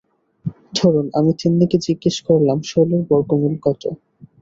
ধরুন, আমি তিন্নিকে জিজ্ঞেস করলাম, ষোলর বর্গমূল কত?